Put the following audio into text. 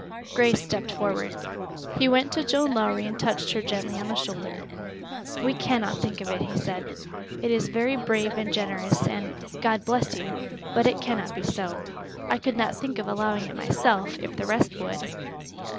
Grace stepped forward. He went to Joan Lowrie and touched her gently on the shoulder. "We cannot think of it," he said. "It is very brave and generous, and God bless you! but it cannot be. I could not think of allowing it myself, if the rest would."